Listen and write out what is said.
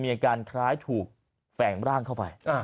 มีอาการคล้ายถูกแฝงร่างเข้าไป